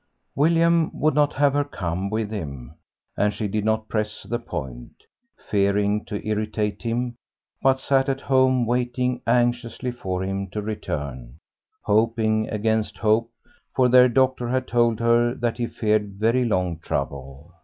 William would not have her come with him; and she did not press the point, fearing to irritate him, but sat at home waiting anxiously for him to return, hoping against hope, for their doctor had told her that he feared very long trouble.